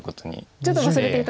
ちょっと忘れて頂いて。